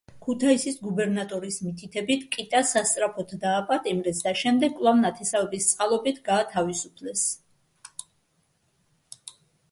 ქუთაისის გუბერნატორის მითითებით, კიტა სასწრაფოდ დააპატიმრეს და შემდეგ კვლავ ნათესავების წყალობით გაათავისუფლეს.